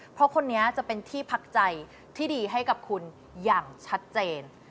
เพราะคนนี้จะเป็นที่พักใจที่ดีให้กับคุณอย่างชัดเจน